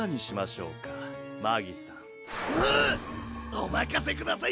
お任せください